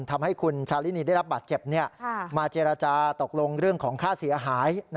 ทำให้คุณชาลินีได้รับบาดเจ็บมาเจรจาตกลงเรื่องของค่าเสียหาย